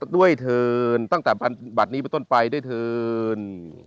ด้วยทืนตั้งแต่บัตรนี้ไปต้นไปด้วยทืน